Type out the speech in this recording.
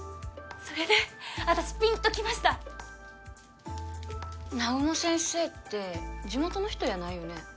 それで私ピンときました南雲先生って地元の人やないよね